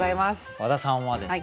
和田さんはですね